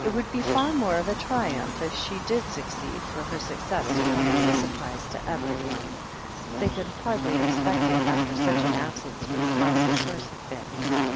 It would be far 'more of a triumph, if she did suc ceed, for her success to come as a surprise to every one. They could hardly expect it, after such an absence from class as hers had been.